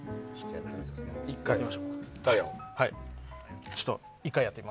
１回やってみましょうか。